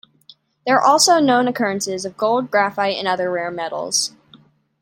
There are also known occurrences of gold, graphite, and other rare metals.